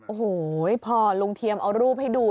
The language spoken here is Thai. โอ้โหพอลุงเทียมเอารูปให้ดู